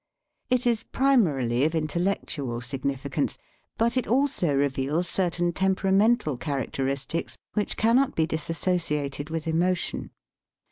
It is primarily of intellectual signifi cance, but it also reveals certain tempera mental characteristics which cannot be dis associated with emotion.